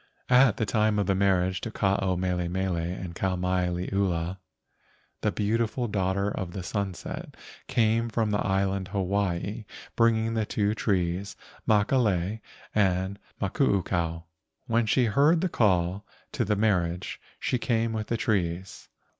At the time of the marriage of Ke ao mele mele and Kau mai liula, the Beautiful Daughter of Sunset came from the island Hawaii bringing the two trees Makalei and Makuukao, which prepared cooked food and fish. When she heard the call to the marriage she came with the trees.